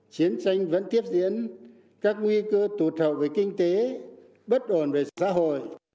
chiến tranh vẫn tiếp diễn các nguy cơ tụt hậu về kinh tế bất ổn về xã hội